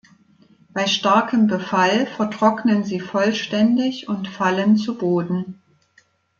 Bei starkem Befall vertrocknen sie vollständig und fallen zu Boden.